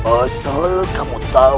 asal kamu tahu